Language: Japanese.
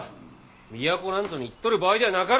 都なんぞに行っとる場合ではなかろうが！